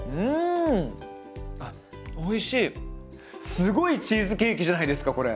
すごいチーズケーキじゃないですかこれ。